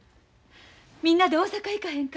みんなで大阪行かへんか？